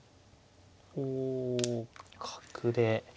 おお角で。